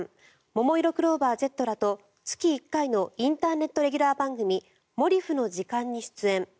ももいろクローバーＺらと月１回のインターネットレギュラー番組「もリフのじかん」に出演。